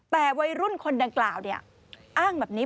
แต่วัยรุ่นคนดังกล่าวเนี่ยอ้างแบบนี้